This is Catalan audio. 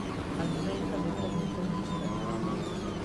El moment també presenta un costat obscur.